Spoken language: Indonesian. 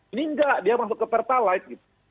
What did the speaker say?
ini nggak dia masuk ke pertalat